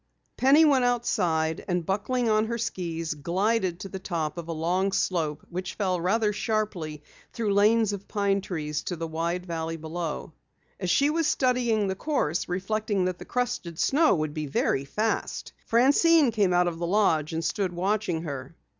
Penny went outside, and buckling on her skis, glided to the top of a long slope which fell rather sharply through lanes of pine trees to the wide valley below. As she was studying the course, reflecting that the crusted snow would be very fast, Francine came out of the lodge and stood watching her.